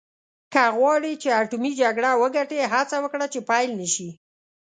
که غواړې چې اټومي جګړه وګټې هڅه وکړه چې پیل نه شي.